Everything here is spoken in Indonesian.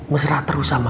mesra terus sama